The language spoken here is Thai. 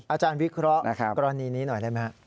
อาจารย์วิเคราะห์กรณีนี้หน่อยได้ไหมครับ